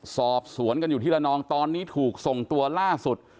สอบสวนกันอยู่ที่ละนองตอนนี้ถูกส่งตัวล่าสุด